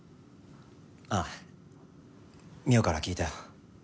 ああ望緒から聞いたよ。